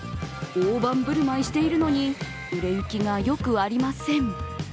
大盤振る舞いしているのに、売れ行きがよくありません。